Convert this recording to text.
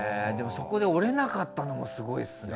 そこで折れなかったのもすごいですね。